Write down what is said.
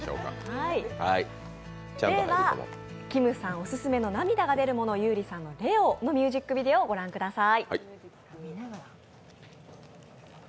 ではきむさんオススメの涙が出るもの、優里さんの「レオ」のミュージックビデオをご覧ください。